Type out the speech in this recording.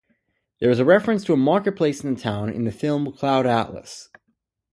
There is reference to a marketplace in the town in the film Cloud Atlas.